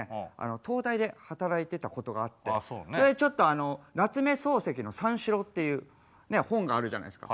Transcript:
東大で働いてたことがあってそれでちょっと夏目漱石の「三四郎」っていう本があるじゃないですか。